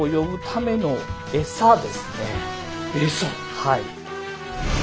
はい。